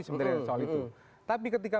sebenarnya soal itu tapi ketika